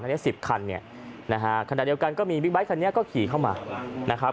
ทั้ง๑๐คันคณะเดียวกันก็มีบิ๊กไบท์คันนี้ก็ขี่เข้ามา